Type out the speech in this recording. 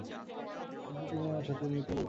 কিন্তু, তুমি আমার সাথে মিথ্যা বলছ!